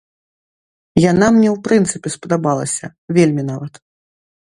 Яна мне ў прынцыпе спадабалася, вельмі нават.